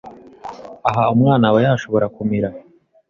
Aha umwana aba yashobora kumira